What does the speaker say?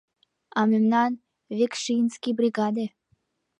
— А мемнан... векшинский бригаде.